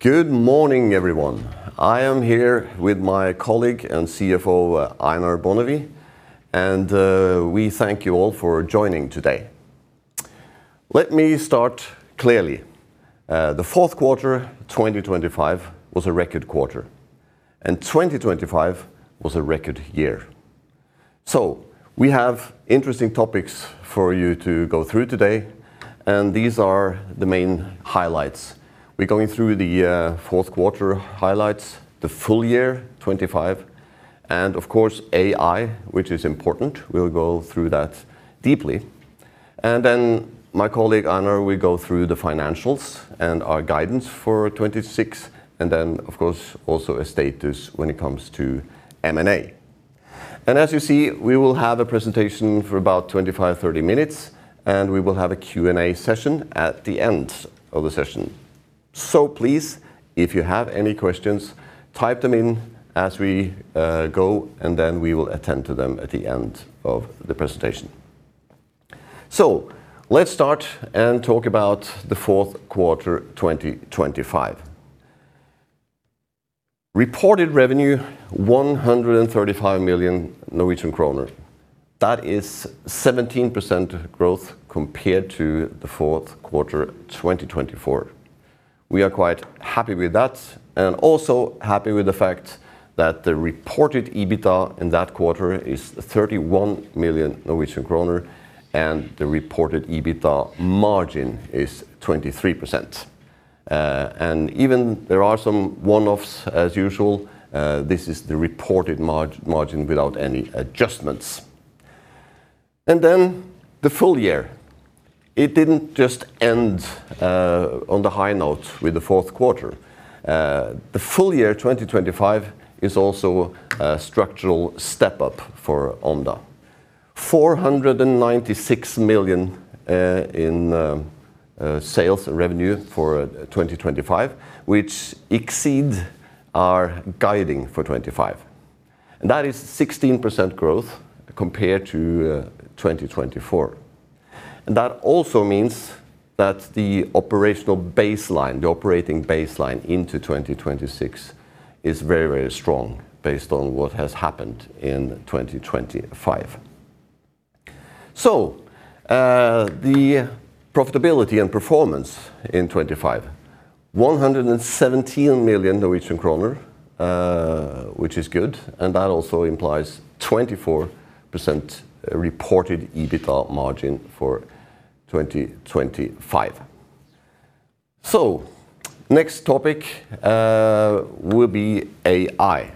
Good morning, everyone. I am here with my colleague and CFO, Einar Bonnevie. We thank you all for joining today. Let me start clearly. The fourth quarter, 2025, was a record quarter, and 2025 was a record year. We have interesting topics for you to go through today, and these are the main highlights. We're going through the fourth quarter highlights, the full year, 2025, and of course, AI, which is important. We'll go through that deeply. Then my colleague, Einar, will go through the financials and our guidance for 2026, and then of course, also a status when it comes to M&A. As you see, we will have a presentation for about 25 to 30 minutes, and we will have a Q&A session at the end of the session. Please, if you have any questions, type them in as we go, and then we will attend to them at the end of the presentation. Let's start and talk about the fourth quarter 2025. Reported revenue, 135 million Norwegian kroner. That is 17% growth compared to the fourth quarter 2024. We are quite happy with that and also happy with the fact that the reported EBITDA in that quarter is 31 million Norwegian kroner, and the reported EBITDA margin is 23%. Even there are some one-offs, as usual, this is the reported margin without any adjustments. The full year, it didn't just end on the high note with the fourth quarter. The full year 2025 is also a structural step up for Omda. 496 million in sales and revenue for 2025, which exceeds our guiding for 2025. 16% growth compared to 2024. That also means that the operational baseline, the operating baseline into 2026 is very, very strong based on what has happened in 2025. The profitability and performance in 2025, 117 million Norwegian kroner, which is good. That also implies 24% reported EBITDA margin for 2025. Next topic will be AI.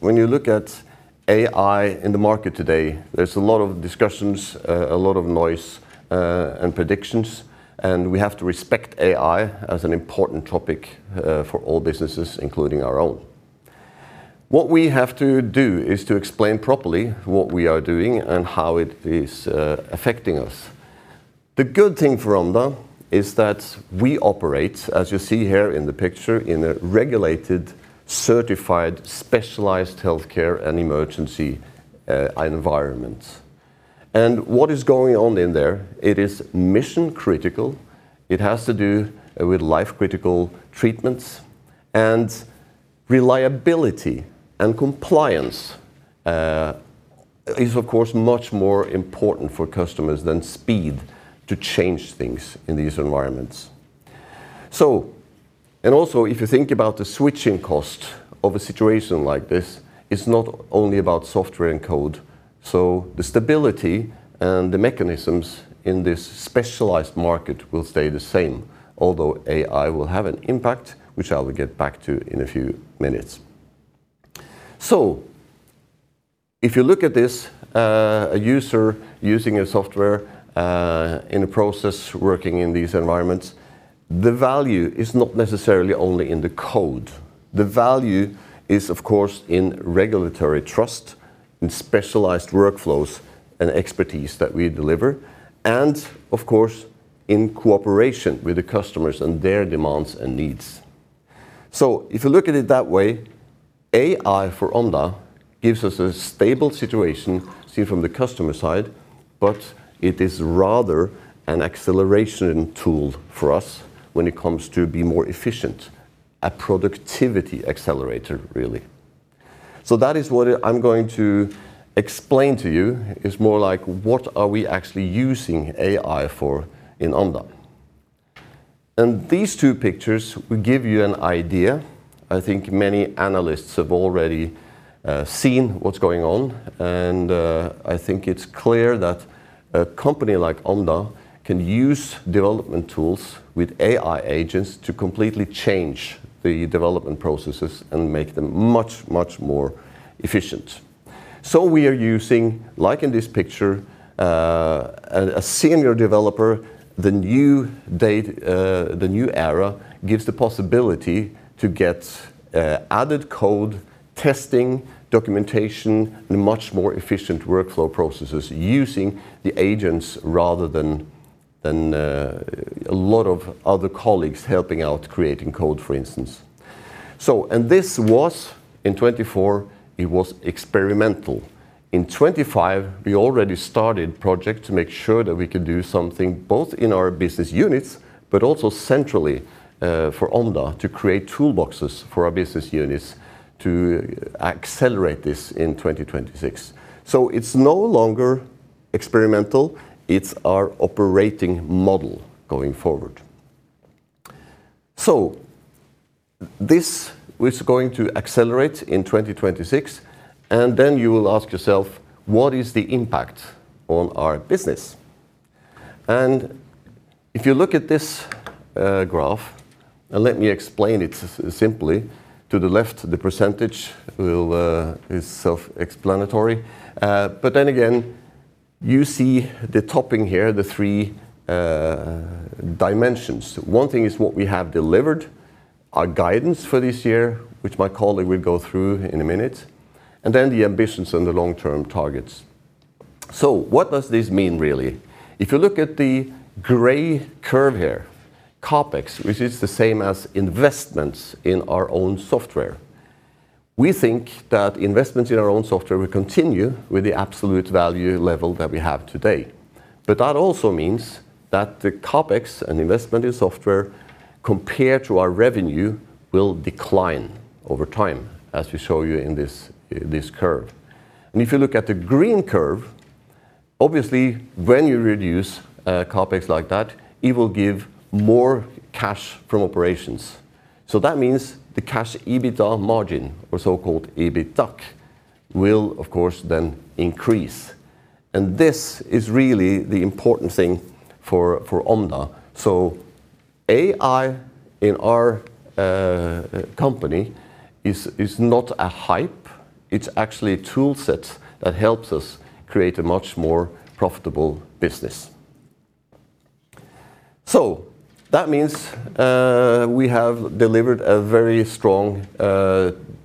When you look at AI in the market today, there's a lot of discussions, a lot of noise and predictions, and we have to respect AI as an important topic for all businesses, including our own. What we have to do is to explain properly what we are doing and how it is affecting us. The good thing for Omda is that we operate, as you see here in the picture, in a regulated, certified, specialized healthcare and emergency environment. What is going on in there? It is mission critical. It has to do with life-critical treatments, and reliability and compliance is, of course, much more important for customers than speed to change things in these environments. And also, if you think about the switching cost of a situation like this, it's not only about software and code. The stability and the mechanisms in this specialized market will stay the same, although AI will have an impact, which I will get back to in a few minutes. If you look at this, a user using a software in a process, working in these environments, the value is not necessarily only in the code. The value is, of course, in regulatory trust, in specialized workflows and expertise that we deliver, and of course, in cooperation with the customers and their demands and needs. If you look at it that way, AI for Omda gives us a stable situation seen from the customer side, but it is rather an acceleration tool for us when it comes to be more efficient, a productivity accelerator, really. That is what I'm going to explain to you, is more like, what are we actually using AI for in Omda? These two pictures will give you an idea. I think many analysts have already seen what's going on, and I think it's clear that a company like Omda can use development tools with AI agents to completely change the development processes and make them much, much more efficient. We are using, like in this picture, a senior developer, the new date, the new era, gives the possibility to get added code, testing, documentation, and much more efficient workflow processes using the agents rather than a lot of other colleagues helping out, creating code, for instance. This was in 2024, it was experimental. In 2025, we already started project to make sure that we could do something, both in our business units, but also centrally, for Omda to create toolboxes for our business units to accelerate this in 2026. It's no longer experimental, it's our operating model going forward. This is going to accelerate in 2026, and then you will ask yourself: What is the impact on our business? If you look at this graph, and let me explain it simply. To the left, the percentage will, is self-explanatory. You see the topping here, the three, dimensions. One thing is what we have delivered, our guidance for this year, which my colleague will go through in a minute, and then the ambitions and the long-term targets. What does this mean, really? If you look at the gray curve here, CapEx, which is the same as investments in our own software, we think that investments in our own software will continue with the absolute value level that we have today. That also means that the CapEx and investment in software, compared to our revenue, will decline over time, as we show you in this curve. If you look at the green curve, obviously, when you reduce CapEx like that, it will give more cash from operations. That means the cash EBITDA margin, or so-called EBITDAC, will, of course, then increase. This is really the important thing for Omda. AI in our company is not a hype, it's actually a tool set that helps us create a much more profitable business. That means we have delivered a very strong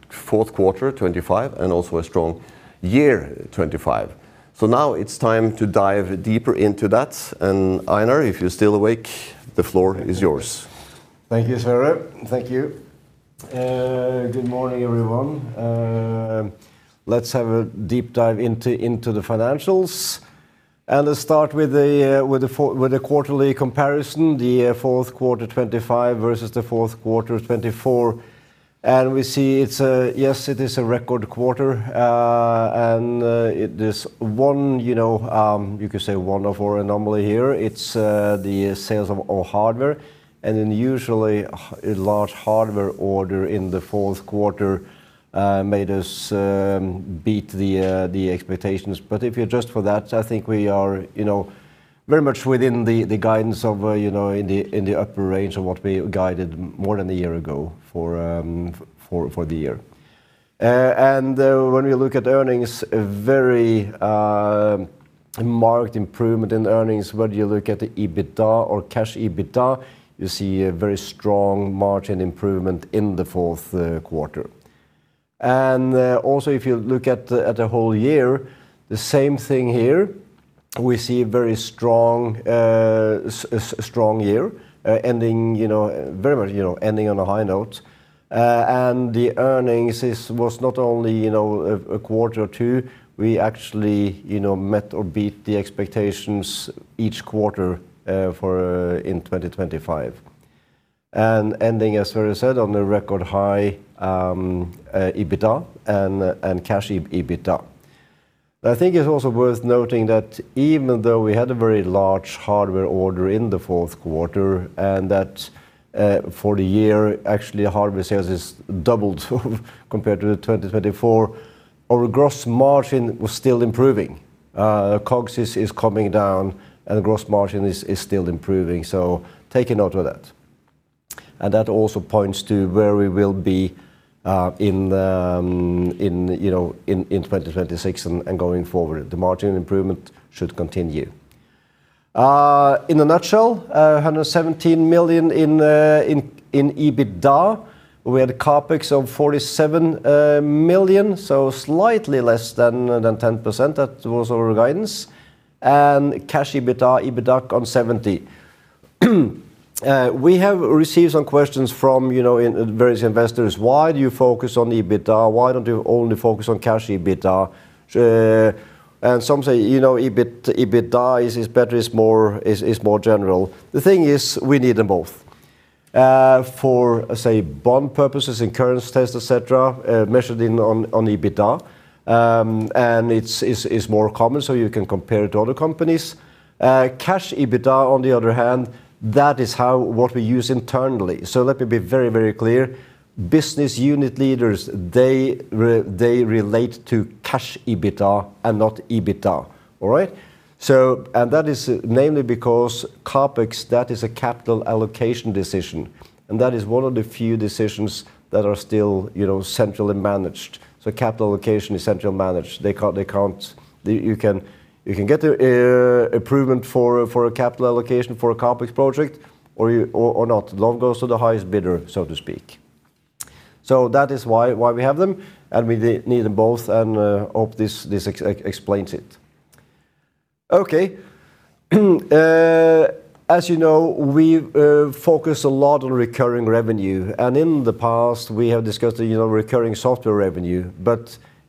fourth quarter 2025, and also a strong year 2025. Now it's time to dive deeper into that. Einar, if you're still awake, the floor is yours. Thank you, Sverre. Thank you. Good morning, everyone. Let's have a deep dive into the financials. Let's start with the quarterly comparison, the fourth quarter 2025 versus the fourth quarter 2024. We see it's a, yes, it is a record quarter. It is one, you know, you could say one of our anomaly here, it's the sales of our hardware. Usually, a large hardware order in the fourth quarter made us beat the expectations. If you adjust for that, I think we are, you know, very much within the guidance of, you know, in the upper range of what we guided more than a year ago for the year. When we look at earnings, a very marked improvement in earnings, whether you look at the EBITDA or cash EBITDA, you see a very strong margin improvement in the fourth quarter. Also, if you look at the whole year, the same thing here, we see very strong a strong year, ending, you know, very much, you know, ending on a high note. The earnings is, was not only, you know, a quarter or two, we actually, you know, met or beat the expectations each quarter for in 2025. Ending, as Sverre said, on a record high EBITDA and cash EBITDA. I think it's also worth noting that even though we had a very large hardware order in the fourth quarter, and that, for the year, actually, hardware sales is doubled compared to 2024, our gross margin was still improving. COGS is coming down, and the gross margin is still improving, so take a note of that. That also points to where we will be, in the, you know, in 2026 and going forward. The margin improvement should continue. In a nutshell, 117 million in EBITDA. We had CapEx of 47 million, so slightly less than 10%. That was our guidance. Cash EBITDA, EBITDAC on 70 million. We have received some questions from, you know, various investors: "Why do you focus on EBITDA? Why don't you only focus on cash EBITDA?" Some say, you know, "EBIT, EBITDA is better, is more, is more general." The thing is, we need them both. For, say, bond purposes and incurrence test, et cetera, measured in, on EBITDA, is more common, so you can compare it to other companies. Cash EBITDA, on the other hand, that is what we use internally. Let me be very, very clear: business unit leaders, they relate to cash EBITDA and not EBITDA. All right? That is namely because CapEx, that is a capital allocation decision, and that is one of the few decisions that are still, you know, centrally managed. Capital allocation is centrally managed. They can't. You can get the approval for a capital allocation for a CapEx project or you, or not. Loan goes to the highest bidder, so to speak. That is why we have them, and we need them both, and hope this explains it. Okay. As you know, we focus a lot on recurring revenue, in the past, we have discussed the, you know, recurring software revenue.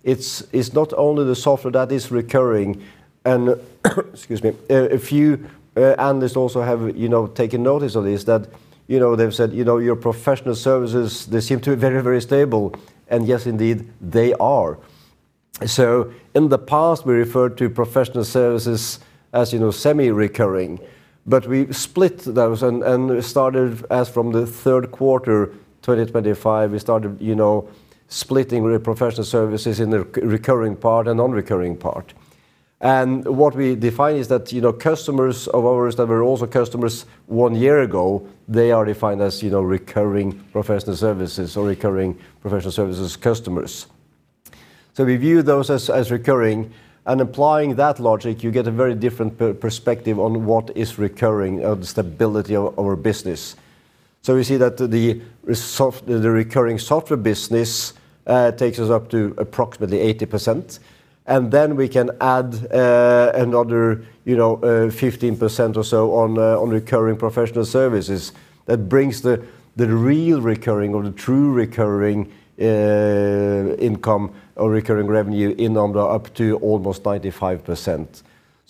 It's not only the software that is recurring, excuse me, a few analysts also have, you know, taken notice of this, that, you know, they've said, "You know, your professional services, they seem to be very, very stable." Yes, indeed, they are. In the past, we referred to professional services as, you know, semi-recurring, but we split those and started as from the third quarter 2025, we started, you know, splitting the professional services in the recurring part and non-recurring part. What we define is that, you know, customers of ours that were also customers one year ago, they are defined as, you know, recurring professional services or recurring professional services customers. We view those as recurring, and applying that logic, you get a very different perspective on what is recurring of the stability of our business. We see that the recurring software business takes us up to approximately 80%, and then we can add another, you know, 15% or so on recurring professional services. That brings the real recurring or the true recurring income or recurring revenue up to almost 95%.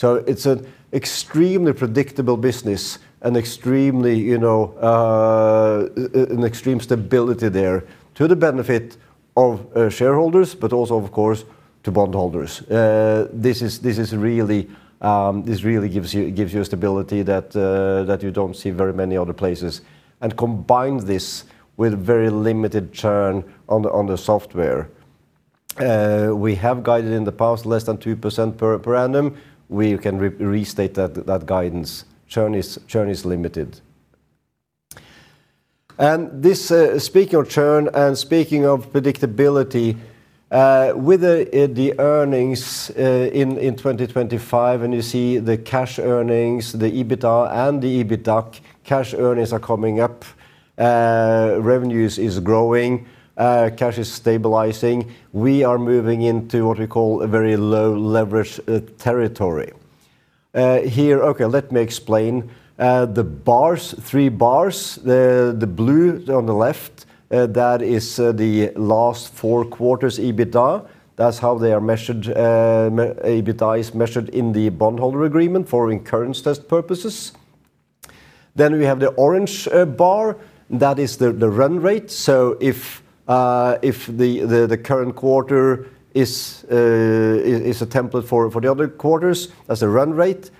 It's an extremely predictable business and extremely, you know, an extreme stability there to the benefit of shareholders, but also, of course, to bondholders. This is really gives you a stability that you don't see very many other places. Combine this with very limited churn on the software. We have guided in the past less than 2% per annum. We can restate that guidance. Churn is limited. This, speaking of churn and speaking of predictability, with the earnings in 2025, and you see the cash earnings, the EBITDA and the EBITDAC, cash earnings are coming up, revenues is growing, cash is stabilizing. We are moving into what we call a very low-leverage territory. Okay, let me explain. The bars, three bars, the blue on the left, that is the last four quarters' EBITDA. That's how they are measured, EBITDA is measured in the bondholder agreement for incurrence test purposes. We have the orange bar, that is the run rate. If the current quarter is a template for the other quarters, that's a run rate.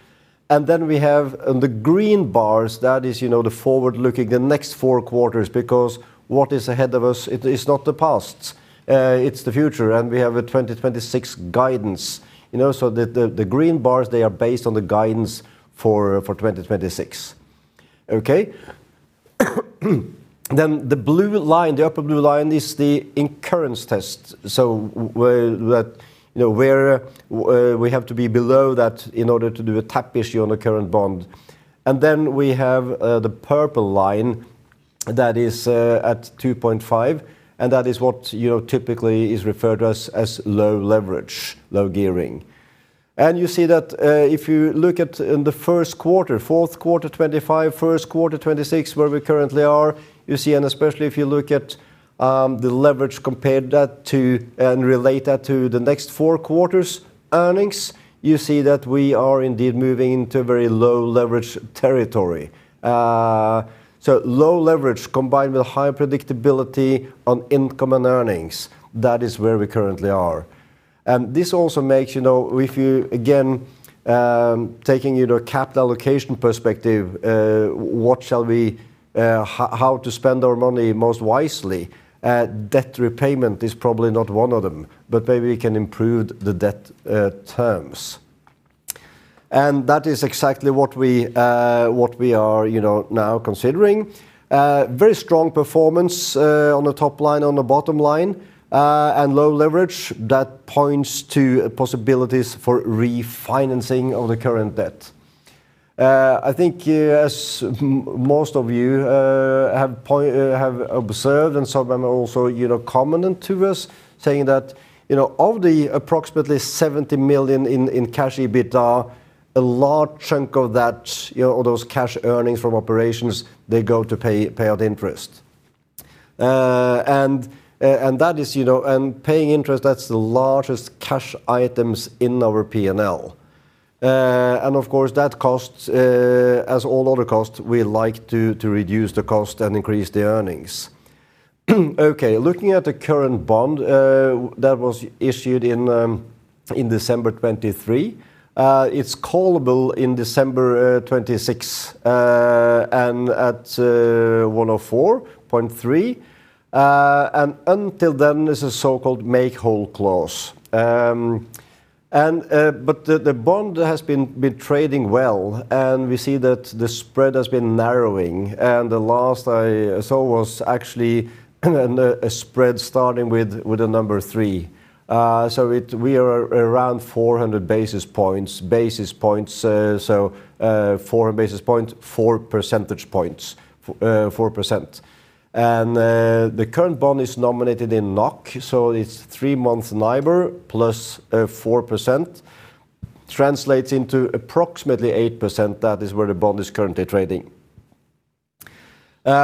We have, and the green bars, that is, you know, the forward-looking, the next four quarters, because what is ahead of us it is not the past, it's the future, and we have a 2026 guidance. You know, the green bars, they are based on the guidance for 2026. Okay? The blue line, the upper blue line is the incurrence test. Where, you know, we have to be below that in order to do a tap issue on the current bond. We have the purple line that is at 2.5, and that is what, you know, typically is referred to as low leverage, low gearing. You see that, if you look at in the first quarter, fourth quarter 2025, first quarter 2026, where we currently are, you see, and especially if you look at, the leverage, compare that to, and relate that to the next four quarters' earnings, you see that we are indeed moving into a very low-leverage territory. Low leverage combined with higher predictability on income and earnings, that is where we currently are. This also makes, you know, if you, again, taking, you know, capital allocation perspective, what shall we, how to spend our money most wisely, debt repayment is probably not one of them, but maybe we can improve the debt, terms. That is exactly what we, what we are, you know, now considering. Very strong performance on the top line, on the bottom line, and low leverage that points to possibilities for refinancing of the current debt. I think as most of you have observed, and some have also, you know, commented to us, saying that, you know, of the approximately 70 million in cash EBITDA, a large chunk of that, you know, or those cash earnings from operations, they go to pay out interest. That is, you know, and paying interest, that's the largest cash items in our P&L. Of course, that costs, as all other costs, we like to reduce the cost and increase the earnings. Okay, looking at the current bond, that was issued in December 2023, it's callable in December 2026, and at 104.3, until then, there's a so-called make whole clause. The bond has been trading well, and we see that the spread has been narrowing, and the last I saw was actually a spread starting with a number three. We are around 400 basis points, four basis points, four percentage points, 4%. The current bond is nominated in NOK, it's three month NIBOR + 4%, translates into approximately 8%. That is where the bond is currently trading. We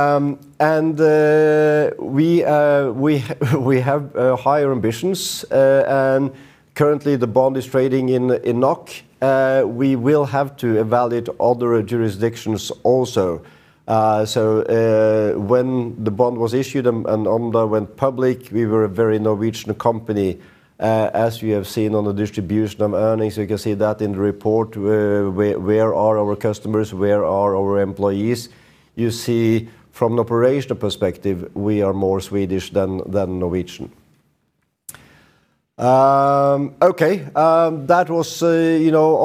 have higher ambitions. Currently the bond is trading in NOK. We will have to evaluate other jurisdictions also. So, when the bond was issued and Omda went public, we were a very Norwegian company. As you have seen on the distribution of earnings, you can see that in the report, where are our customers, where are our employees? You see from an operational perspective, we are more Swedish than Norwegian. Okay, you know,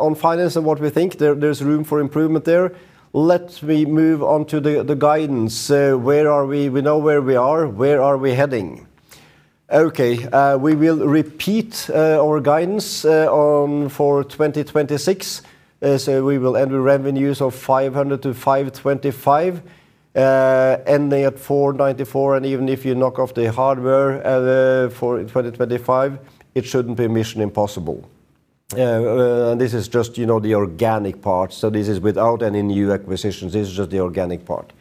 on finance and what we think. There's room for improvement there. Let me move on to the guidance. Where are we? We know where we are. Where are we heading? Okay, we will repeat our guidance for 2026. We will enter revenues of 500-525, ending at 494, and even if you knock off the hardware, for 2025, it shouldn't be mission impossible. This is just, you know, the organic part, so this is without any new acquisitions. This is just the organic part.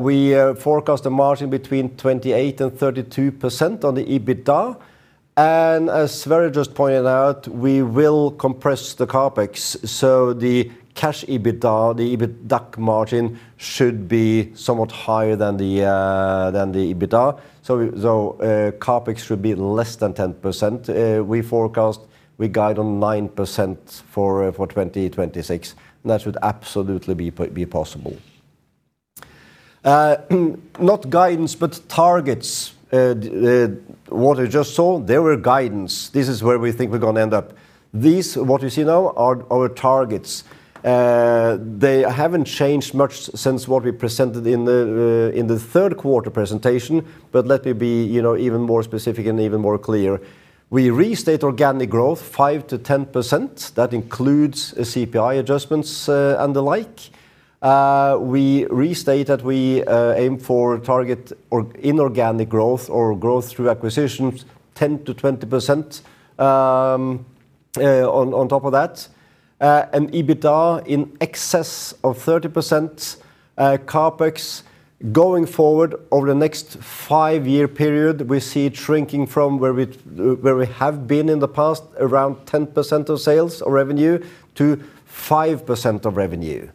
We forecast a margin between 28% and 32% on the EBITDA, and as Sverre just pointed out, we will compress the CapEx. The cash EBITDA, the EBITDAC margin, should be somewhat higher than the EBITDA. CapEx should be less than 10%. We guide on 9% for 2026, and that should absolutely be possible. Not guidance, but targets. What I just showed, they were guidance. This is where we think we're gonna end up. These, what you see now, are our targets. They haven't changed much since what we presented in the third quarter presentation. Let me be, you know, even more specific and even more clear. We restate organic growth 5%-10%. That includes CPI adjustments and the like. We restate that we aim for target inorganic growth or growth through acquisitions 10%-20% on top of that. EBITDA in excess of 30%, CapEx going forward over the next 5-year period, we see it shrinking from where we have been in the past, around 10% of sales or revenue to 5% of revenue.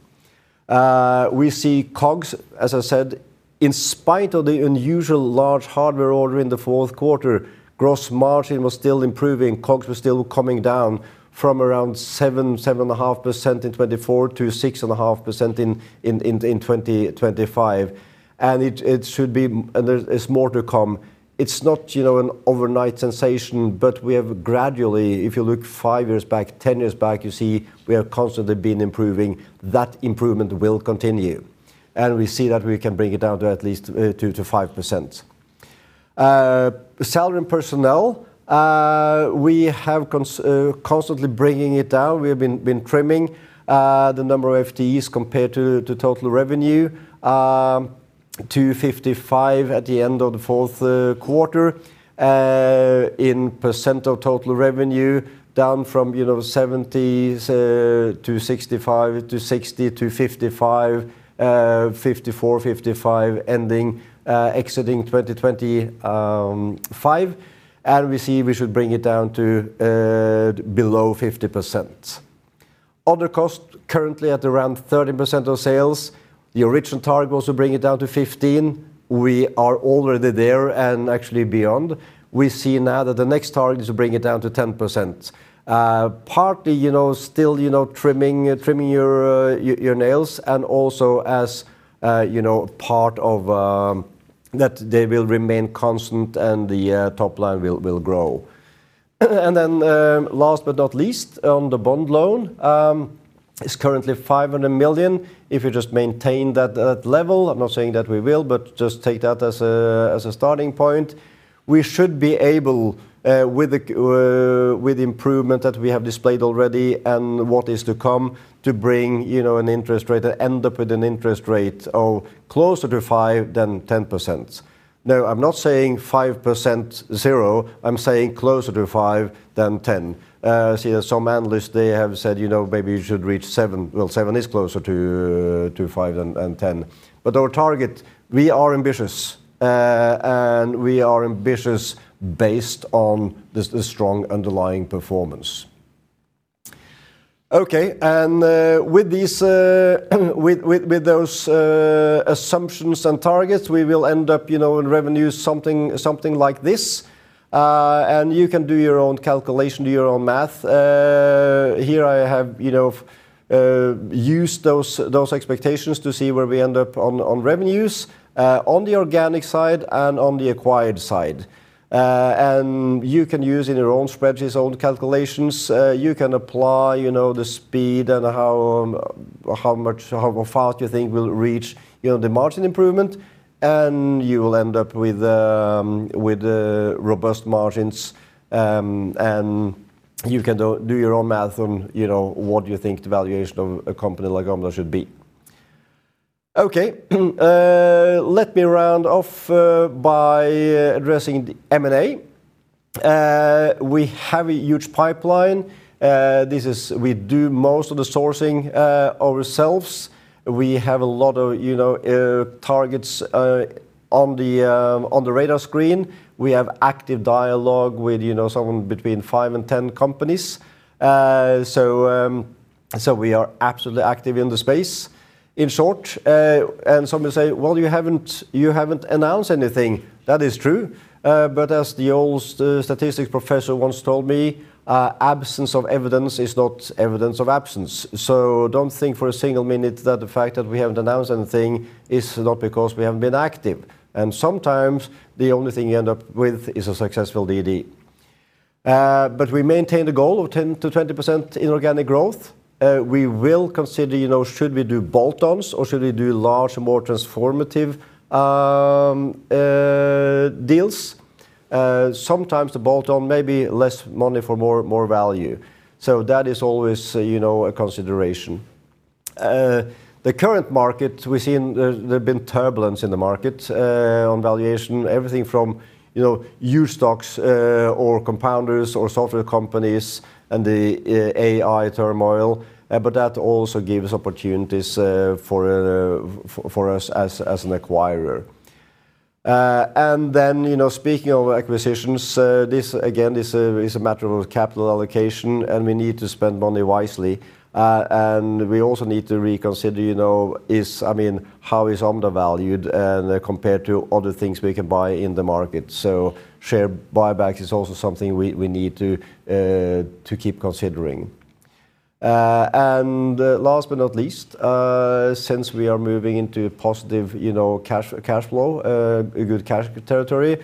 We see COGS, as I said, in spite of the unusual large hardware order in the fourth quarter, gross margin was still improving. COGS was still coming down from around 7-7.5% in 2024 to 6.5% in 2025. There's more to come. It's not, you know, an overnight sensation, but we have gradually, if you look five years back, 10 years back, you see we have constantly been improving. That improvement will continue, and we see that we can bring it down to at least 2%-5%. Salary and personnel, we have constantly bringing it down. We have been trimming the number of FTEs compared to total revenue, to 55 at the end of the fourth quarter, in percent of total revenue, down from, you know, 70s, to 65, to 60, to 55, 54-55, ending exiting 2025. We see we should bring it down to below 50%. Other costs, currently at around 30% of sales. The original target was to bring it down to 15. We are already there and actually beyond. We see now that the next target is to bring it down to 10%. Partly, you know, still, you know, trimming your nails, and also as, you know, part of that they will remain constant and the top line will grow. Last but not least, on the bond loan, it's currently 500 million. If you just maintain that level, I'm not saying that we will, but just take that as a starting point, we should be able, with the improvement that we have displayed already and what is to come, to bring, you know, an interest rate and end up with an interest rate of closer to five than 10%. No, I'm not saying 5%, zero, I'm saying closer to five than 10. See, some analysts, they have said, "You know, maybe you should reach 7." Well, seven is closer to five than 10. Our target, we are ambitious, and we are ambitious based on the strong underlying performance. Okay, with these, with those assumptions and targets, we will end up, you know, in revenues, something like this. You can do your own calculation, do your own math. Here I have, you know, used those expectations to see where we end up on revenues, on the organic side and on the acquired side. You can use in your own spreadsheets, own calculations, you can apply, you know, the speed and how much, how fast you think we'll reach, you know, the margin improvement, and you will end up with robust margins. You can do your own math on, you know, what you think the valuation of a company like Omda should be. Okay, let me round off by addressing the M&A. We have a huge pipeline, we do most of the sourcing ourselves. We have a lot of, you know, targets on the radar screen. We have active dialogue with, you know, somewhere between five and 10 companies. We are absolutely active in the space, in short. Some will say, "Well, you haven't announced anything." That is true, as the old statistics professor once told me, "Absence of evidence is not evidence of absence." Don't think for a single minute that the fact that we haven't announced anything is not because we haven't been active, and sometimes the only thing you end up with is a successful DD. We maintain the goal of 10%-20% inorganic growth. We will consider, you know, should we do bolt-ons, or should we do large, more transformative deals? Sometimes the bolt-on may be less money for more value, that is always, you know, a consideration. The current market, we've seen there's been turbulence in the market on valuation, everything from, you know, huge stocks, or compounders or software companies and the AI turmoil, that also gives opportunities for us as an acquirer. You know, speaking of acquisitions, this, again, this is a matter of capital allocation, we need to spend money wisely. We also need to reconsider, you know, I mean, how is Omda valued compared to other things we can buy in the market? Share buybacks is also something we need to keep considering. Last but not least, since we are moving into positive, you know, cash flow, a good cash territory,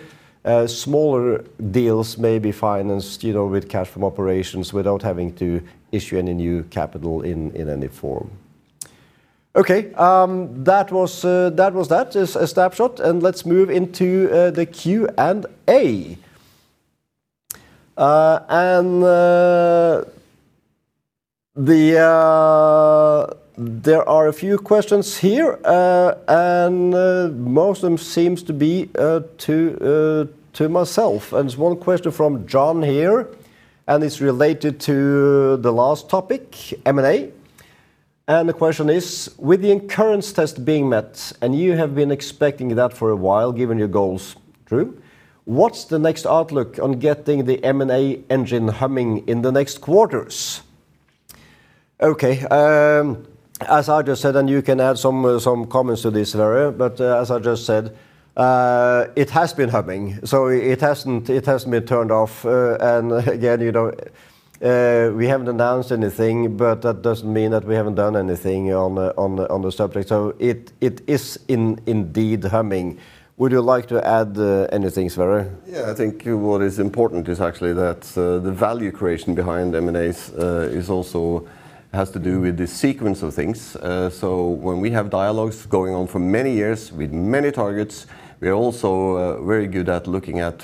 smaller deals may be financed, you know, with cash from operations without having to issue any new capital in any form. Okay, that was that, just a snapshot, and let's move into the Q&A. There are a few questions here, and most of them seems to be to myself, and there's one question from John here, and it's related to the last topic, M&A. The question is: "With the incurrence test being met, and you have been expecting that for a while, given your goals," true, "what's the next outlook on getting the M&A engine humming in the next quarters?" As I just said, and you can add some comments to this, Sverre, but as I just said, it has been humming, so it hasn't, it hasn't been turned off. Again, you know, we haven't announced anything, but that doesn't mean that we haven't done anything on the subject, so it is indeed humming. Would you like to add anything, Sverre? Yeah, I think what is important is actually that the value creation behind M&As has to do with the sequence of things. When we have dialogues going on for many years with many targets, we are also very good at looking at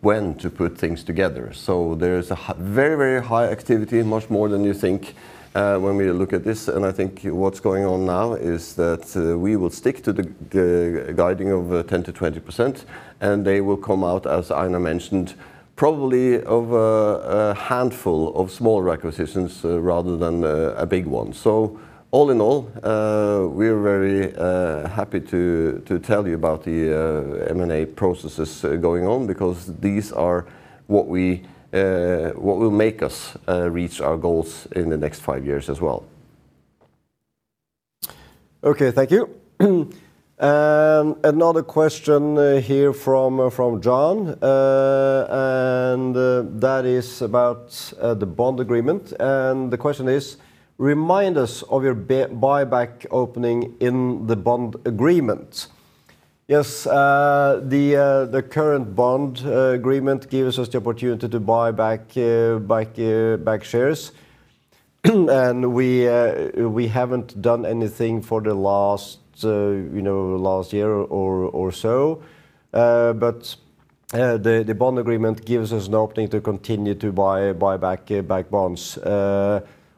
when to put things together. There is a very, very high activity, much more than you think, when we look at this. I think what's going on now is that we will stick to the guiding of 10%-20%. They will come out, as Einar mentioned, probably of a handful of small requisitions rather than a big one. All in all, we're very happy to tell you about the M&A processes going on because these are what will make us reach our goals in the next five years as well. Okay, thank you. Another question here from John, and that is about the bond agreement. The question is: "Remind us of your buyback opening in the bond agreement." Yes, the current bond agreement gives us the opportunity to buy back shares, and we haven't done anything for the last, you know, last year or so. The bond agreement gives us an opening to continue to buy back bonds.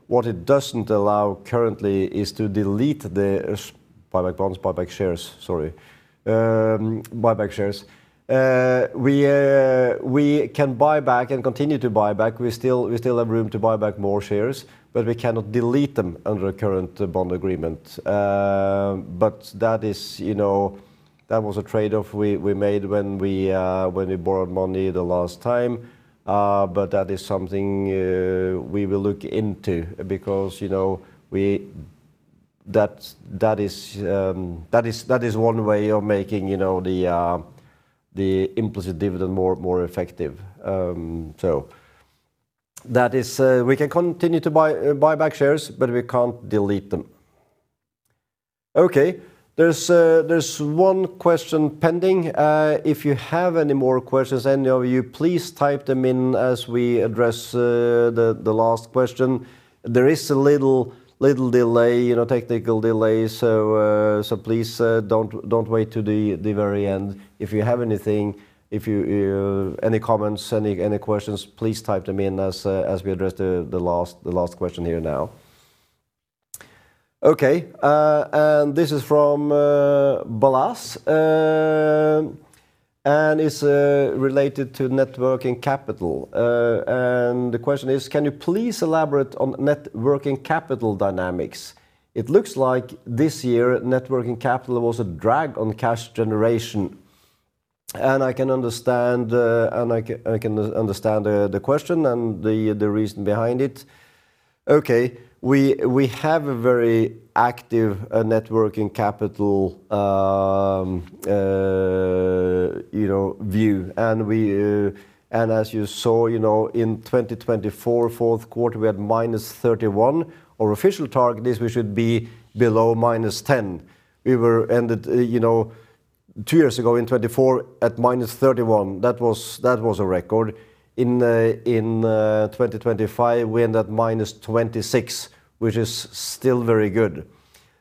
What it doesn't allow currently is to delete the buyback shares. We can buy back and continue to buy back. We still have room to buy back more shares, but we cannot delete them under the current bond agreement. That is, you know, that was a trade-off we made when we borrowed money the last time. That is something we will look into because, you know, that is one way of making, you know, the implicit dividend more effective. That is, we can continue to buy back shares, but we can't delete them. Okay, there's one question pending. If you have any more questions, any of you, please type them in as we address the last question. There is a little delay, you know, technical delay, so please don't wait to the very end. If you have anything, if you, any comments, any questions, please type them in as we address the last question here now. Okay, this is from Balázs, and it's related to net working capital. The question is: "Can you please elaborate on net working capital dynamics? It looks like this year, net working capital was a drag on cash generation." I can understand. I can understand the question and the reason behind it. Okay, we have a very active net working capital, you know, view. We, as you saw, you know, in 2024, fourth quarter, we had -31. Our official target is we should be below -10. We were ended, you know, two years ago in 2024, at -31. That was a record. In 2025, we ended at -26, which is still very good,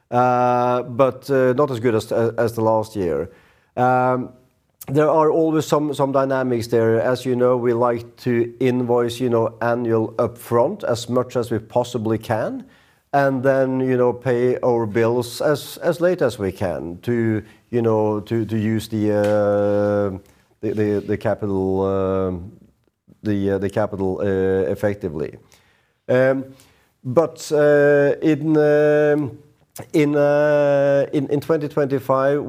but not as good as the last year. There are always some dynamics there. As you know, we like to invoice, you know, annual upfront as much as we possibly can, and then, you know, pay our bills as late as we can to, you know, to use the capital effectively. In 2025,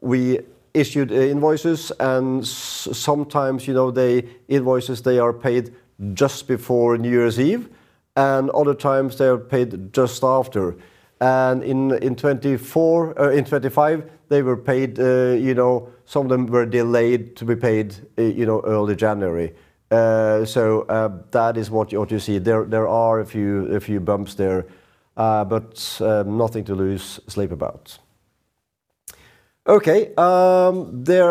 we issued invoices, and sometimes, you know, the invoices, they are paid just before New Year's Eve, and other times they are paid just after. In 2024, in 2025, they were paid, some of them were delayed to be paid early January. That is what you ought to see. There are a few bumps there, but nothing to lose sleep about. There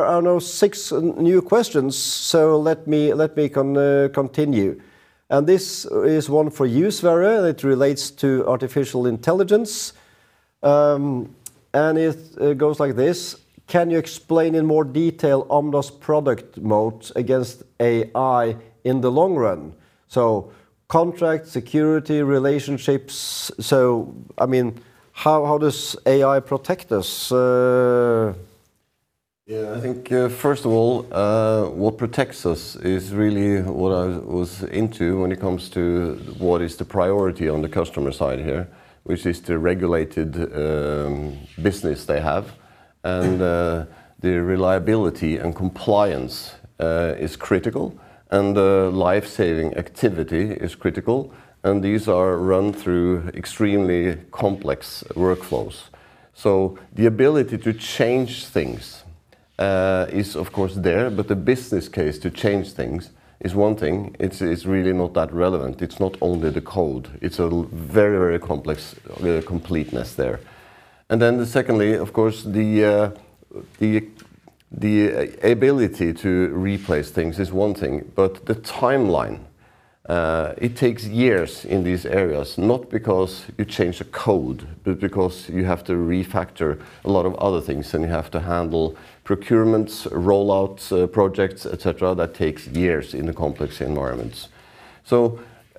are now 6 new questions, so let me continue. This is one for you, Sverre. It relates to artificial intelligence, it goes like this: "Can you explain in more detail Omda's product moat against AI in the long run?" Contract, security, relationships, I mean, how does AI protect us? Yeah, I think, first of all, what protects us is really what I was into when it comes to what is the priority on the customer side here, which is the regulated business they have. The reliability and compliance is critical, and the life-saving activity is critical, and these are run through extremely complex workflows. The ability to change things is of course there, but the business case to change things is one thing. It's really not that relevant. It's not only the code, it's a very, very complex completeness there. Secondly, of course, the, the ability to replace things is one thing, but the timeline, it takes years in these areas, not because you change the code, but because you have to refactor a lot of other things, and you have to handle procurements, rollouts, projects, et cetera, that takes years in the complex environments.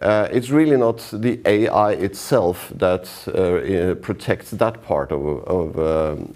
It's really not the AI itself that protects that part of,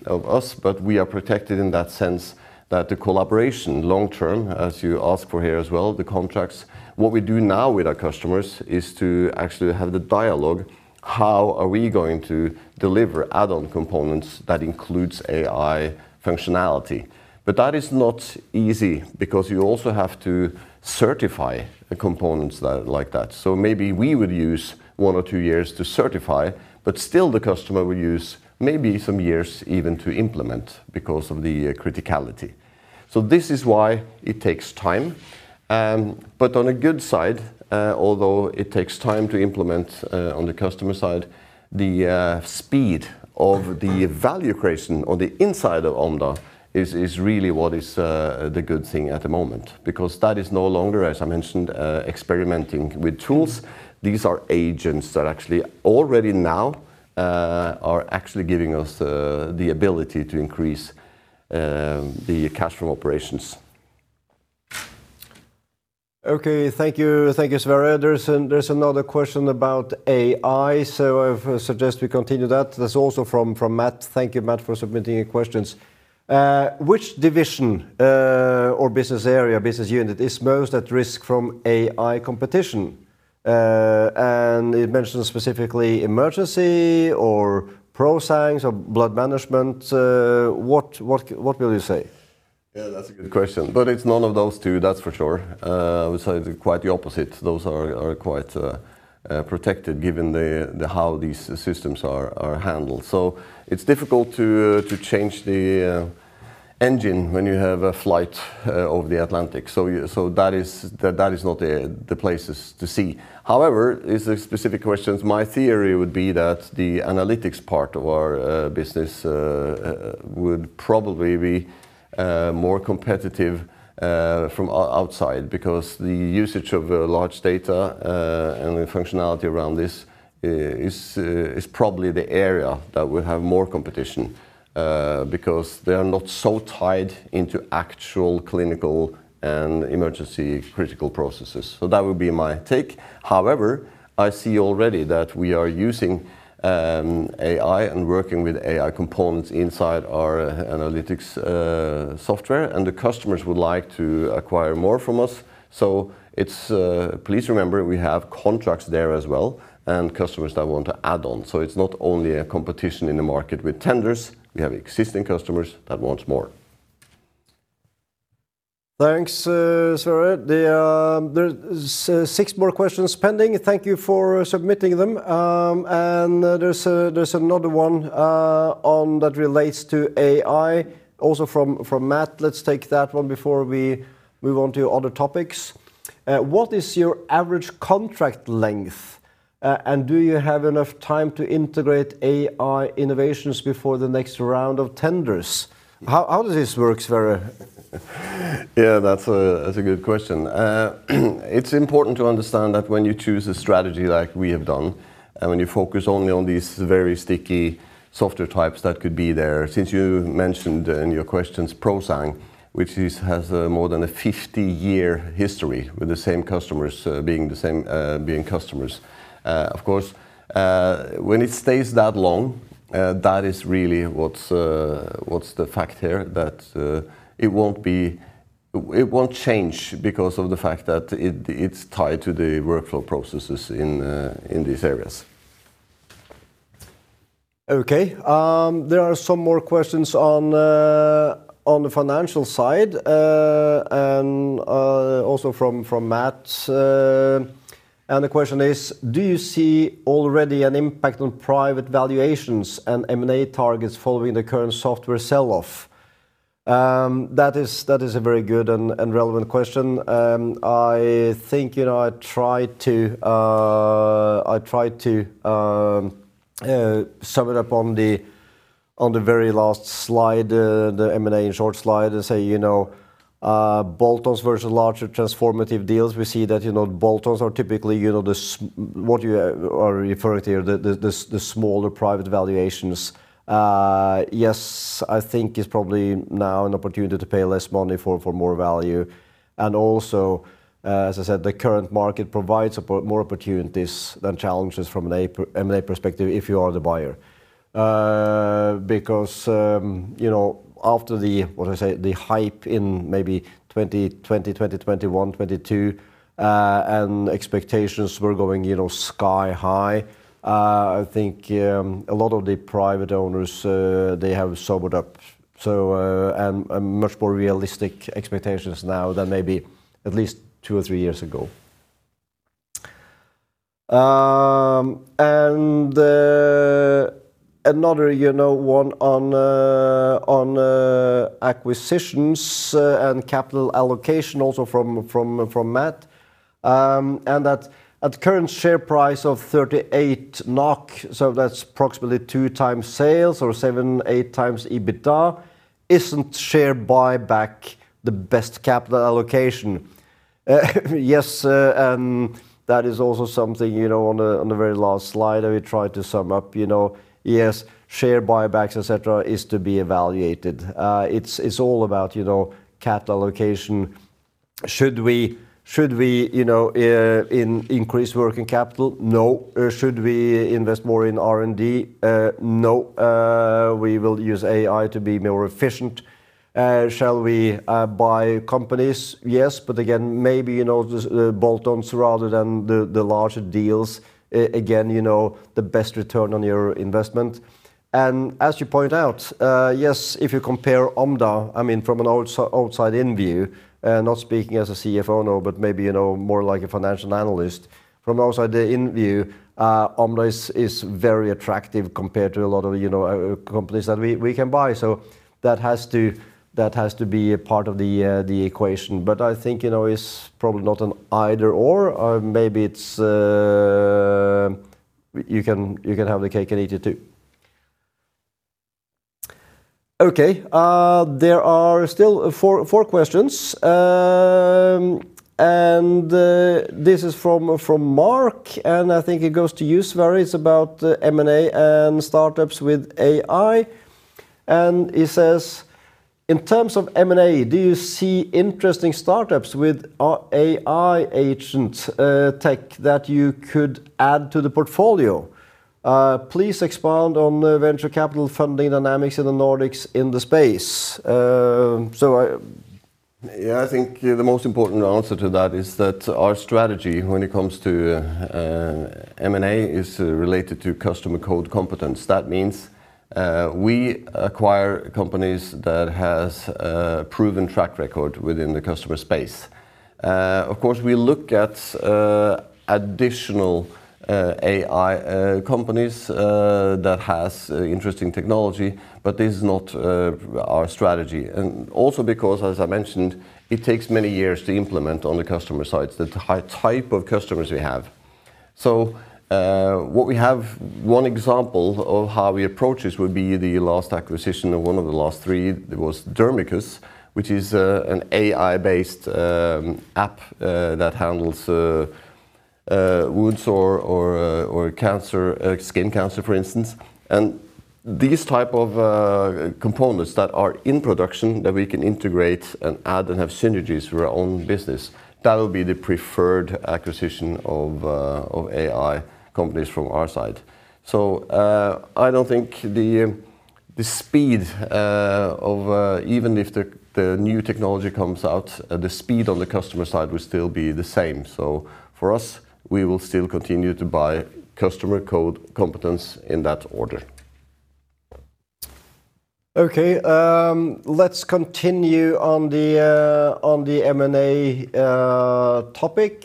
of us, but we are protected in that sense that the collaboration long term, as you ask for here as well, the contracts. What we do now with our customers is to actually have the dialogue, how are we going to deliver add-on components that includes AI functionality? That is not easy because you also have to certify the components that, like that. Maybe we would use one or two years to certify, but still the customer will use maybe some years even to implement because of the criticality. This is why it takes time. On a good side, although it takes time to implement on the customer side, the speed of the value creation on the inside of Omda is really what is the good thing at the moment, because that is no longer, as I mentioned, experimenting with tools. These are agents that actually already now are actually giving us the ability to increase the cash from operations. Okay. Thank you, Sverre. There's another question about AI. I suggest we continue that. That's also from Matt. Thank you, Matt, for submitting your questions. Which division or business area, business unit is most at risk from AI competition? It mentions specifically emergency or ProSang or blood management. What will you say? Yeah, that's a good question, but it's none of those two, that's for sure. I would say quite the opposite. Those are quite protected, given the how these systems are handled. It's difficult to change the engine when you have a flight over the Atlantic. That is not the places to see. However, it's a specific question. My theory would be that the analytics part of our business would probably be more competitive from outside, Because the usage of large data and the functionality around this is probably the area that will have more competition, because they are not so tied into actual clinical and emergency critical processes. That would be my take. I see already that we are using AI and working with AI components inside our analytics software, and the customers would like to acquire more from us. Please remember, we have contracts there as well, and customers that want to add on. It's not only a competition in the market with tenders, we have existing customers that want more. Thanks, Sverre. There's six more questions pending. Thank you for submitting them. There's a, there's another one, on, that relates to AI, also from Matt. Let's take that one before we move on to other topics. "What is your average contract length, and do you have enough time to integrate AI innovations before the next round of tenders?" How does this work, Sverre? Yeah, that's a good question. It's important to understand that when you choose a strategy like we have done, and when you focus only on these very sticky software types that could be there, since you mentioned in your questions ProSang, which has more than a 50-year history with the same customers, being the same, being customers. Of course, when it stays that long, that is really what's the fact here, that it won't change because of the fact that it's tied to the workflow processes in these areas. Okay. There are some more questions on the financial side, and also from Matt. The question is, "Do you see already an impact on private valuations and M&A targets following the current software sell-off?" That is a very good and relevant question. I think, you know, I tried to sum it up on the very last slide, the M&A in short slide, and say, you know, bolt-ons versus larger transformative deals. We see that, you know, bolt-ons are typically, you know, what you are referring to here, the smaller private valuations. Yes, I think it's probably now an opportunity to pay less money for more value. Also, as I said, the current market provides more opportunities than challenges from an M&A perspective if you are the buyer. Because, you know, after the, what I say, the hype in maybe 2020, 2021, 2022, and expectations were going, you know, sky high, I think a lot of the private owners, they have sobered up. And much more realistic expectations now than maybe at least two or three years ago. And another, you know, one on acquisitions, and capital allocation, also from Matt. At current share price of 38 NOK, that's approximately 2x sales or 7-8x EBITDA, isn't share buyback the best capital allocation?" Yes, that is also something, you know, on the, on the very last slide that we tried to sum up, you know. Yes, share buybacks, et cetera, is to be evaluated. It's all about, you know, capital allocation. Should we, you know, increase working capital? No. Should we invest more in R&D? No. We will use AI to be more efficient. Shall we buy companies? Yes, but again, maybe, you know, the bolt-ons rather than the larger deals, again, you know, the best return on your investment. As you point out, yes, if you compare Omda, I mean, from an outside-in view, not speaking as a CFO, no, but maybe, you know, more like a financial analyst, from outside the in view, Omda is very attractive compared to a lot of, you know, companies that we can buy. That has to be a part of the equation. I think, you know, it's probably not an either/or maybe it's. You can have the cake and eat it, too. Okay, there are still four questions. This is from Mark, and I think it goes to you, Sverre. It's about M&A and startups with AI, it says: "In terms of M&A, do you see interesting startups with, AI agent, tech that you could add to the portfolio? Please expand on the venture capital funding dynamics in the Nordics in the space. I think the most important answer to that is that our strategy when it comes to M&A is related to Customer, Code, Competence. That means we acquire companies that has a proven track record within the customer space. Of course, we look at additional AI companies that has interesting technology, but this is not our strategy. Also because, as I mentioned, it takes many years to implement on the customer sides, the type of customers we have. One example of how we approach this would be the last acquisition, or one of the last three. There was Dermicus, which is an AI-based app that handles wounds or cancer, skin cancer, for instance. These type of components that are in production that we can integrate and add and have synergies for our own business, that will be the preferred acquisition of AI companies from our side. I don't think the speed of even if the new technology comes out, the speed on the customer side will still be the same. For us, we will still continue to buy Customer, Code, Competence in that order. Okay, let's continue on the M&A topic.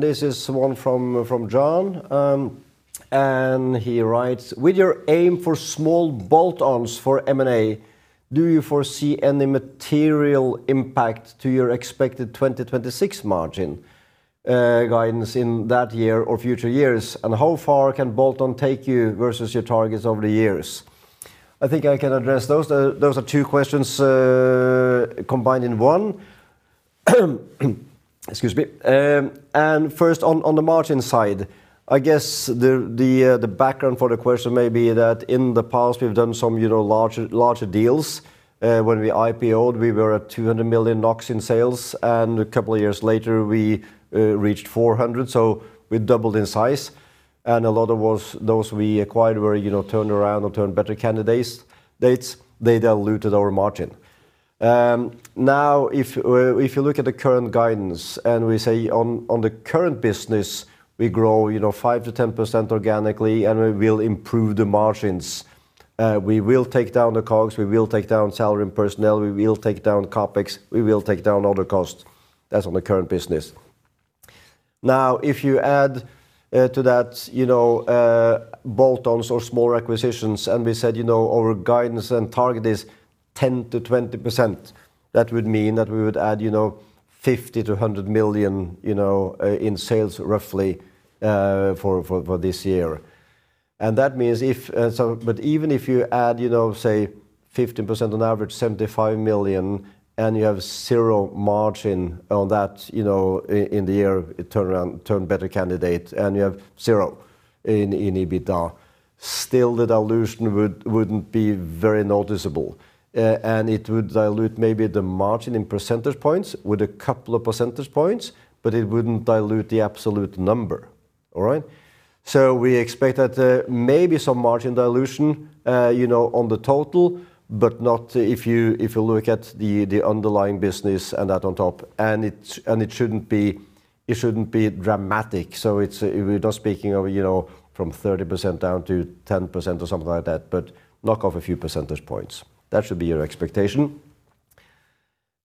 This is one from John. He writes: "With your aim for small bolt-ons for M&A, do you foresee any material impact to your expected 2026 margin guidance in that year or future years? How far can bolt-on take you versus your targets over the years?" I think I can address those. Those are two questions combined in one. Excuse me. First, on the margin side, I guess the background for the question may be that in the past we've done some, you know, larger deals. When we IPO'd, we were at 200 million NOK in sales, and a couple of years later, we reached 400 million, so we doubled in size, and a lot of those we acquired were, you know, turned around or turned better candidates. They diluted our margin. Now, if you look at the current guidance, and we say on the current business, we grow, you know, 5%-10% organically, and we will improve the margins. We will take down the COGS, we will take down salary and personnel, we will take down CapEx, we will take down other costs. That's on the current business. If you add to that, you know, bolt-ons or small acquisitions, and we said, you know, our guidance and target is 10%-20%, that would mean that we would add, you know, 50 million-100 million, you know, in sales roughly for this year. That means if, but even if you add, you know, say 50% on average, 75 million, and you have zero margin on that, you know, in the year, it turn around, turn better candidate, and you have zero in EBITDA, still the dilution wouldn't be very noticeable, and it would dilute maybe the margin in percentage points with a couple of percentage points, but it wouldn't dilute the absolute number. All right? We expect that, maybe some margin dilution, you know, on the total, but not if you look at the underlying business and that on top, and it shouldn't be dramatic. It's, we're just speaking of, you know, from 30% down to 10% or something like that, but knock off a few percentage points. That should be your expectation.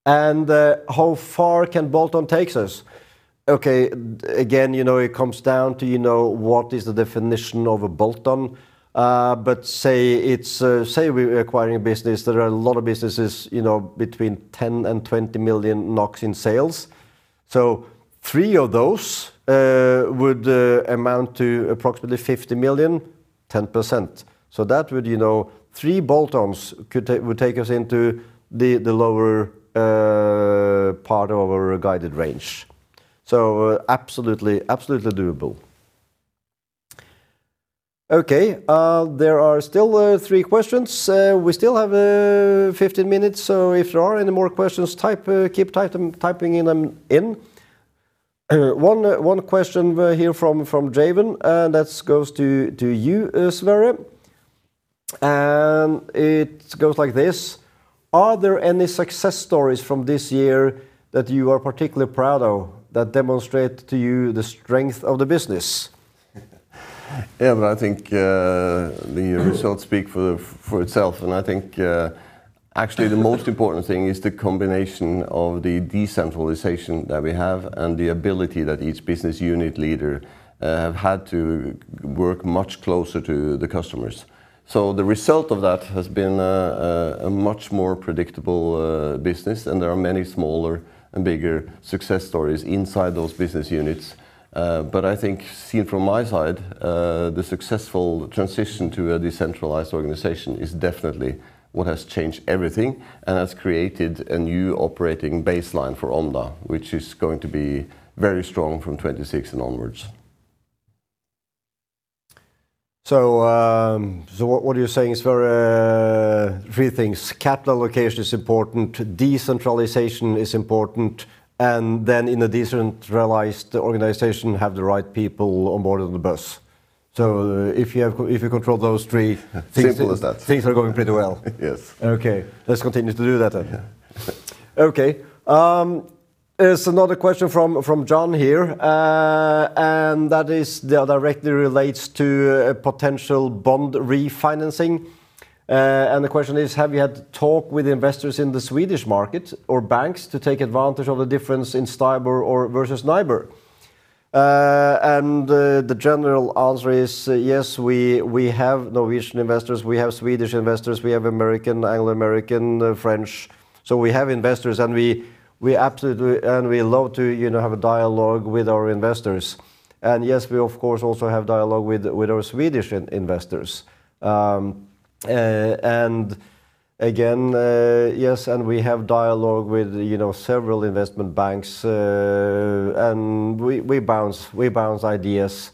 How far can bolt-on takes us? Okay, again, you know, it comes down to, you know, what is the definition of a bolt-on? But say it's, say we're acquiring a business. There are a lot of businesses, you know, between 10 million-20 million NOK in sales. Three of those would amount to approximately 50 million, 10%. That would, you know, three bolt-ons could take, would take us into the lower part of our guided range. Absolutely doable. Okay, there are still three questions. We still have 15 minutes. If there are any more questions, type, keep typing them in. One question here from Javen, and that goes to you, Sverre, and it goes like this: "Are there any success stories from this year that you are particularly proud of, that demonstrate to you the strength of the business? But I think the results speak for itself, and I think actually, the most important thing is the combination of the decentralization that we have and the ability that each business unit leader have had to work much closer to the customers. The result of that has been a much more predictable business, and there are many smaller and bigger success stories inside those business units. But I think seen from my side, the successful transition to a decentralized organization is definitely what has changed everything and has created a new operating baseline for Omda, which is going to be very strong from 2026 and onwards. What you're saying is, Sverre, a few things, capital allocation is important, decentralization is important, and then in a decentralized organization, have the right people on board on the bus. If you control those three Simple as that. Things are going pretty well. Yes. Okay, let's continue to do that, then. Yeah. Okay, there's another question from John here, and that is, that directly relates to a potential bond refinancing, and the question is: "Have you had talk with investors in the Swedish market or banks to take advantage of the difference in STIBOR or versus NIBOR?" The general answer is, yes, we have Norwegian investors, we have Swedish investors, we have American, Anglo-American, French. We have investors, and we absolutely and we love to, you know, have a dialogue with our investors. Yes, we, of course, also have dialogue with our Swedish investors. Again, yes, and we have dialogue with, you know, several investment banks, and we bounce ideas.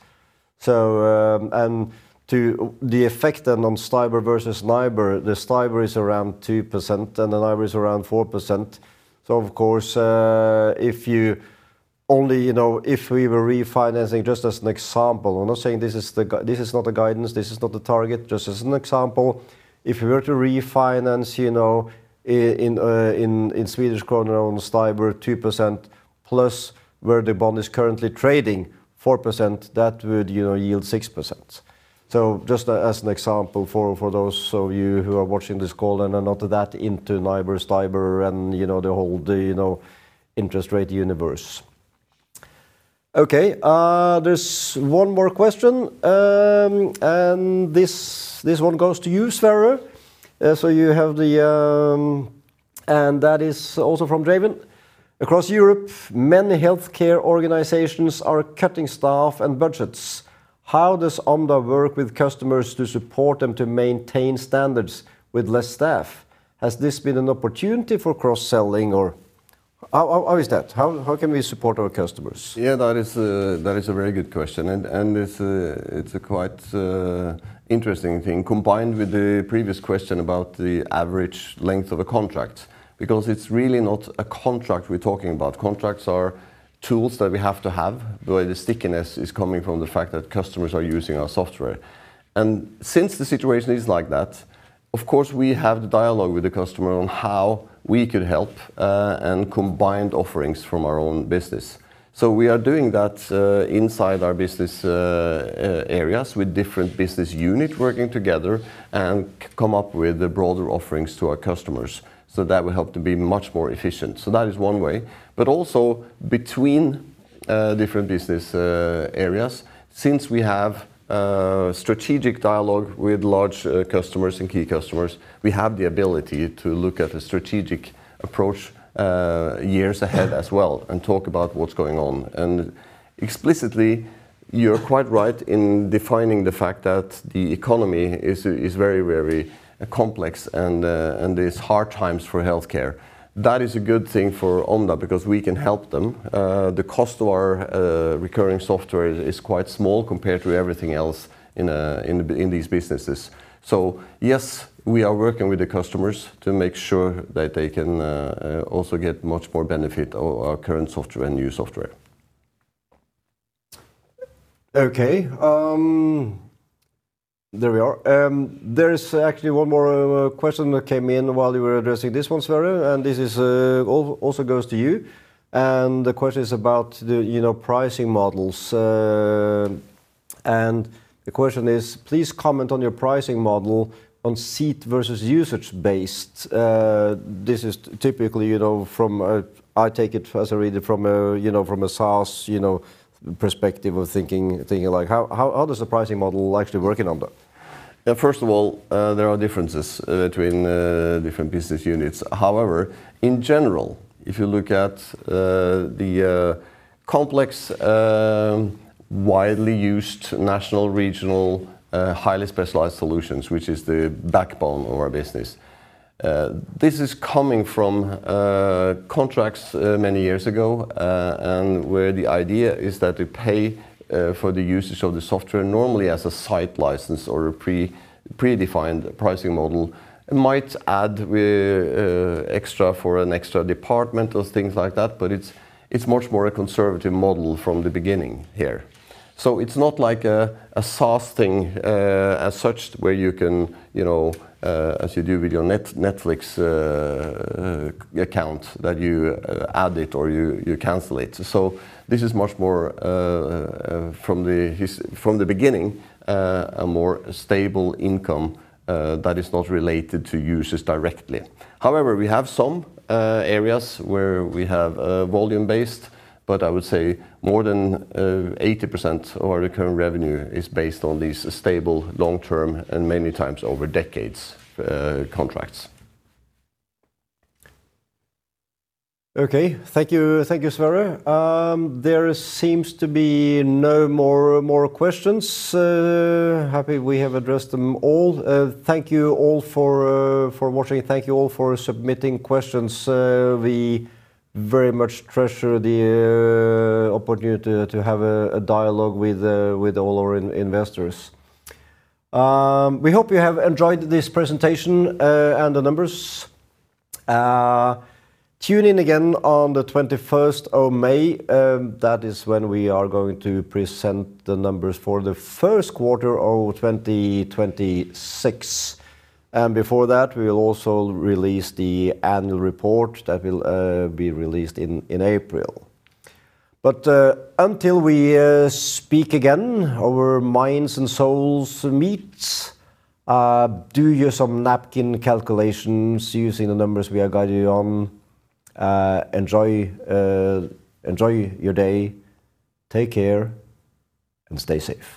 And to the effect then on STIBOR versus NIBOR, the STIBOR is around 2%, and the NIBOR is around 4%. Of course, if you only, you know, if we were refinancing, just as an example, I'm not saying this is not a guidance, this is not the target, just as an example. If we were to refinance, you know, in Swedish krona on STIBOR 2%, plus where the bond is currently trading 4%, that would, you know, yield 6%. Just as an example for those of you who are watching this call and are not that into NIBOR, STIBOR, and, you know, the whole, you know, interest rate universe. Okay, there's one more question, this one goes to you, Sverre. you have the That is also from Draven: "Across Europe, many healthcare organizations are cutting staff and budgets. How does Omda work with customers to support them to maintain standards with less staff? Has this been an opportunity for cross-selling, or how is that? How can we support our customers? Yeah, that is a, that is a very good question, and it's a, it's a quite interesting thing, combined with the previous question about the average length of a contract, because it's really not a contract we're talking about. Contracts are tools that we have to have, where the stickiness is coming from the fact that customers are using our software. Since the situation is like that, of course, we have the dialogue with the customer on how we could help and combined offerings from our own business. We are doing that, inside our business areas, with different business unit working together and come up with the broader offerings to our customers. That will help to be much more efficient. That is one way. Also between different business areas, since we have strategic dialogue with large customers and key customers, we have the ability to look at a strategic approach years ahead as well and talk about what's going on. Explicitly, you're quite right in defining the fact that the economy is very, very complex and is hard times for healthcare. That is a good thing for Omda because we can help them. The cost of our recurring software is quite small compared to everything else in these businesses. Yes, we are working with the customers to make sure that they can also get much more benefit of our current software and new software. Okay, there we are. There is actually one more question that came in while you were addressing this one, Sverre, and this also goes to you. The question is about the, you know, pricing models. The question is, "Please comment on your pricing model on seat versus usage-based." This is typically, you know, from a I take it as a reader from a, you know, from a SaaS, you know, perspective of thinking like, how does the pricing model actually working on that? First of all, there are differences between different business units. In general, if you look at the complex, widely used national, regional, highly specialized solutions, which is the backbone of our business, this is coming from contracts many years ago, and where the idea is that we pay for the usage of the software, normally as a site license or a predefined pricing model. It might add extra for an extra department or things like that, but it's much more a conservative model from the beginning here. It's not like a SaaS thing as such, where you can, you know, as you do with your Netflix account, that you add it or you cancel it. This is much more from the beginning, a more stable income that is not related to users directly. However, we have some areas where we have volume-based, but I would say more than 80% of our recurring revenue is based on these stable, long-term, and many times over decades, contracts. Okay. Thank you, thank you, Sverre. There seems to be no more questions. Happy we have addressed them all. Thank you all for watching. Thank you all for submitting questions. We very much treasure the opportunity to have a dialogue with all our investors. We hope you have enjoyed this presentation and the numbers. Tune in again on the 21 of May, that is when we are going to present the numbers for the first quarter of 2026. Before that, we will also release the annual report that will be released in April. Until we speak again, our minds and souls meets, do you some napkin calculations using the numbers we have guided you on. Enjoy your day, take care, and stay safe.